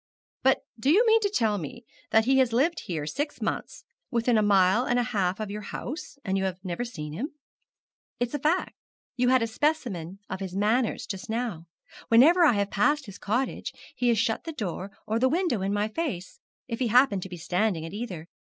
But do you mean to tell me that he has lived here six months, within a mile and a half of your house, and you have never seen him?' 'It is a fact. You had a specimen of his manners just now. Whenever I have passed his cottage he has shut the door or the window in my face, if he happened to be standing at either.